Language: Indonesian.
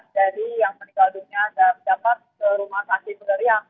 jadi peteran yang didapatkan dari dua puluh empat rumah